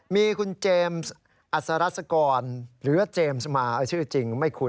มีคุณเจมส์อัศรัศกรหรือว่าเจมส์มาชื่อจริงไม่คุ้น